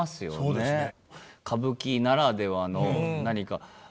そうですね。